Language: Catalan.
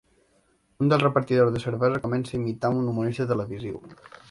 Un dels repartidors de cervesa comença a imitar un humorista televisiu.